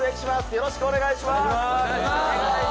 よろしくお願いします。